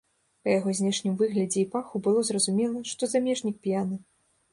Па яго знешнім выглядзе і паху было зразумела, што замежнік п'яны.